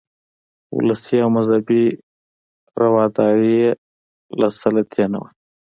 ولسي او مذهبي رواداري یې له سطحې نه وه.